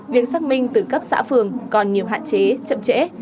việc xác minh từ cấp xã phường còn nhiều hạn chế chậm trễ